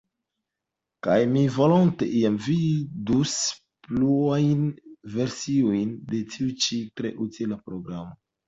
Kaj mi volonte iam vidus pluajn versiojn de tiu ĉi tre utila programo.